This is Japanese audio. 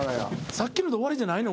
さっきので終わりじゃないの？